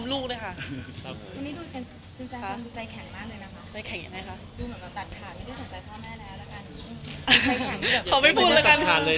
เรียกงานไปเรียบร้อยแล้ว